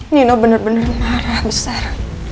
nino bener bener marah besar